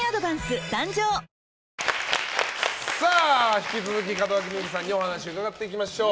引き続き門脇麦さんにお話伺っていきましょう。